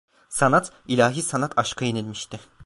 Sanat, ilahi sanat aşka yenilmişti.